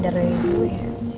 gak perlu menghindari gue